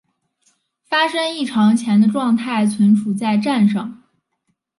发生异常前的状态存储在栈上。